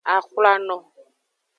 Axwlano.